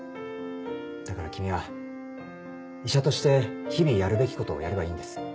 だから君は医者として日々やるべき事をやればいいんです。